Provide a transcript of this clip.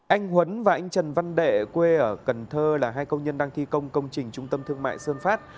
anh huấn và anh trần văn đệ quê ở cần thơ là hai công nhân đang thi công công trình trung tâm thương mại sơn phát